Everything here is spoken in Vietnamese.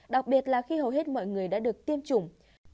đặc biệt là khi hầu hết mọi người đã được tiêm chủng